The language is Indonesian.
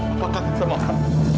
apakah kita mau